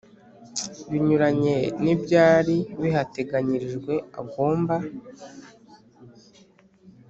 Binyuranye n ibyari bihateganyirijwe agomba